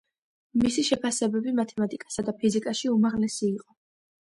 მისი შეფასებები მათემატიკასა და ფიზიკაში, უმაღლესი იყო.